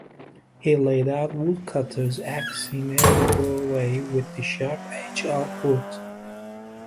He laid a woodcutter's axe in every doorway with the sharp edge outward.